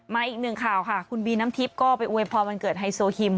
อีกหนึ่งข่าวค่ะคุณบีน้ำทิพย์ก็ไปอวยพรวันเกิดไฮโซฮิม